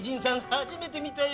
初めて見たよ。